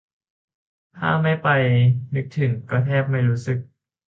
ถ้าไม่ไปนึกถึงก็แทบไม่รู้สึก